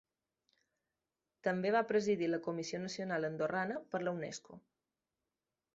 També va presidir la Comissió Nacional Andorrana per la Unesco.